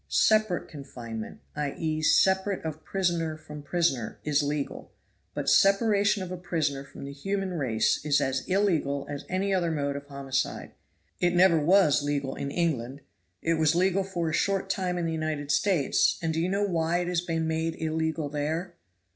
Separate confinement, i.e., separation of prisoner from prisoner, is legal, but separation of a prisoner from the human race is as illegal as any other mode of homicide. It never was legal in England; it was legal for a short time in the United States, and do you know why it has been made illegal there?"